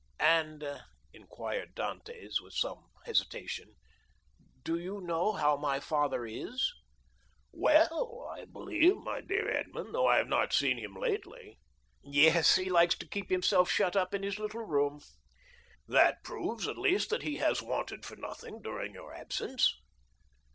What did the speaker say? "And," inquired Dantès, with some hesitation, "do you know how my father is?" "Well, I believe, my dear Edmond, though I have not seen him lately." "Yes, he likes to keep himself shut up in his little room." "That proves, at least, that he has wanted for nothing during your absence."